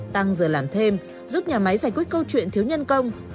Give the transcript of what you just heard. tăng giờ làm thêm giúp nhà máy giải quyết câu chuyện thiếu nhân công